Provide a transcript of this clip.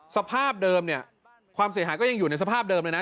สภาพเดิมเนี่ยความเสียหายก็ยังอยู่ในสภาพเดิมเลยนะ